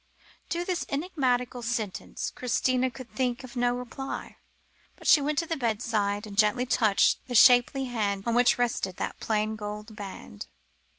To this enigmatical sentence Christina could think of no reply, but she went to the bedside, and gently touched the shapely hand on which rested that plain gold ring.